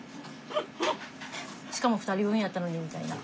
しかも２人分やったのにみたいな。